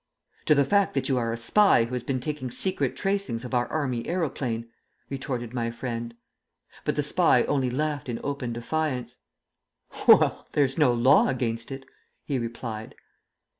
"To the fact that you are a spy who has been taking secret tracings of our Army aeroplane!" retorted my friend. But the spy only laughed in open defiance. "Well, there's no law against it," he replied.